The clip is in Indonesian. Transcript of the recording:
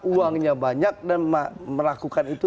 uangnya banyak dan melakukan itu